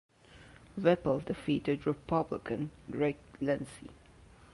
Whipple defeated Republican Rick Lindsey.